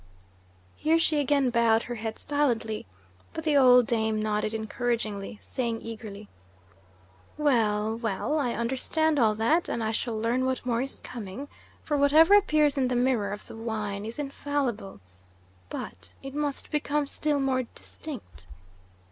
Here she again bowed her head silently, but the old dame nodded encouragingly, saying eagerly; "Well, well! I understand all that, and I shall learn what more is coming, for whatever appears in the mirror of the wine is infallible but it must become still more distinct.